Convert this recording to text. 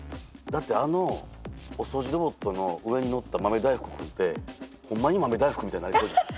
だってあのお掃除ロボットの上にのった豆大福君ってホンマに豆大福みたいになりそうじゃない？